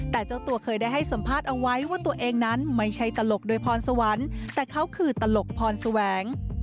แต่เจ้าตัวเคยได้ให้สัมภาษณ์เอาไว้ว่าตัวเองนั้นไม่ใช่ตลกโดยพรสวรรค์แต่เขาคือตลกพรแสวง